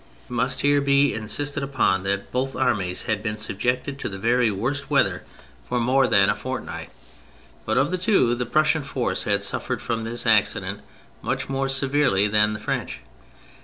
It must here be insisted upon that both armies had been subjected to the very worst weather for more than a fort 160 THE FRENCH REVOLUTION night, but of the two the Prussian force had suffered from this accident much more severely than the French.